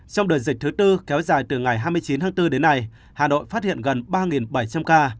trong đợt dịch thứ tư kéo dài từ ngày hai mươi chín tháng bốn đến nay hà nội phát hiện gần ba bảy trăm linh ca